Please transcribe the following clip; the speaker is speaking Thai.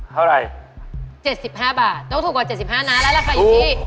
เท่าไหร่๗๕บาทและราคาอยู่ที่